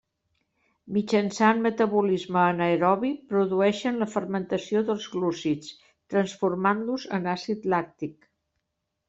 Mitjançant metabolisme anaerobi produeixen la fermentació dels glúcids, transformant-los en àcid làctic.